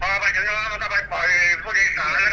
มาไว้ถนนกาลมึกอ่ะแล้วพอมึงตายแน่มึงตายแน่มึงจอดเมื่อไหร่มึงตายแน่